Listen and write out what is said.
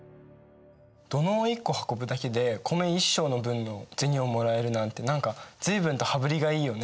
土のう１個運ぶだけで米１升の分の銭をもらえるなんて何か随分と羽振りがいいよね。